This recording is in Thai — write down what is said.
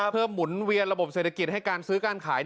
เพื่อหมุนเวียนระบบเศรษฐกิจให้การซื้อการขาย